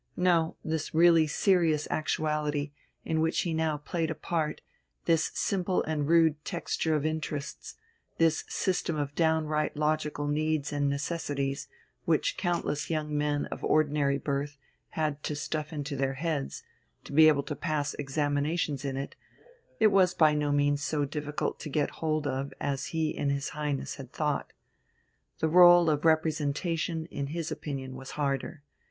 No, this really serious actuality, in which he now played a part, this simple and rude texture of interests, this system of down right logical needs and necessities, which countless young men of ordinary birth had to stuff into their heads, to be able to pass examinations in it, it was by no means so difficult to get hold of as he in his Highness had thought. The rôle of representation, in his opinion, was harder.